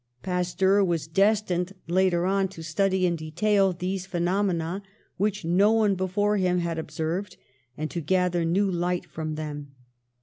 Pasteur was destined, later on, to study in detail these phenomena which no one before him had observed, and to gather new light from them.